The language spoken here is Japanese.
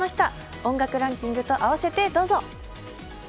音楽ランキングとあわせてどうぞ！